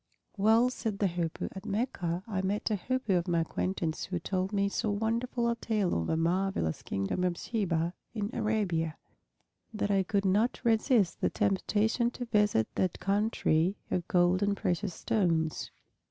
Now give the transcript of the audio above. "Well," said the Hoopoe, "at Mecca I met a Hoopoe of my acquaintance who told me so wonderful a tale of the marvelous Kingdom of Sheba in Arabia that I could not resist the temptation to visit that country of gold and precious stones.